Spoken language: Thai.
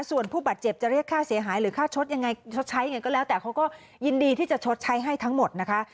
ส่วนผู้บาดเจ็บจะเรียกค่าเสียหายหรือค่าชดยังไงชดใช้ยังไงก็แล้วแต่เขาก็ยินดีที่จะชดใช้ให้ทั้งหมดนะคะ